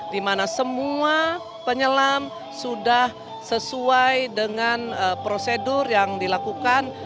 dimana semua penyelam sudah sesuai dengan prosedur yang dilakukan